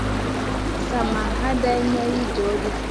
Sa ma haɗeyn may li joh ɗi.